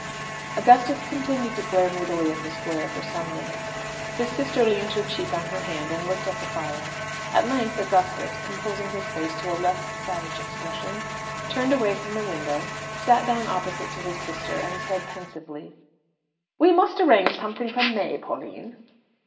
Augustus continued to glare moodily at the square for some minutes. His sister leaned her cheek on her hand, and looked at the fire. At length Augustus, composing his face to a less savage expression, turned away from the window, sat down opposite to his sister, and said, pensively "We must arrange something for May, Pauline."